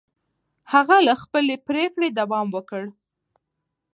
هغه له خپلې پرېکړې دوام ورکړ.